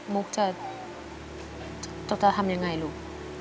มุกจะทำยังไงลูก